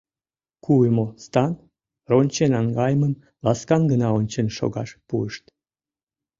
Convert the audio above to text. Куымо стан рончен наҥгайымым ласкан гына ончен шогаш пуышт.